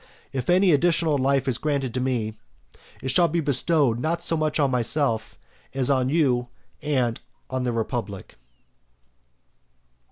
If any additional life is granted to me, it shall be bestowed not so much on myself as on you and on the republic.